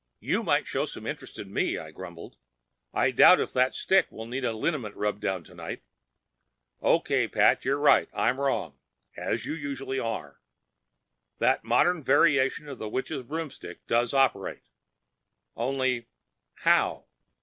"You might show some interest in me," I grumbled. "I doubt if that stick will need a liniment rubdown tonight. Okay, Pat. You're right and I'm wrong, as you usually are. That modern variation of a witch's broomstick does operate. Only—how?"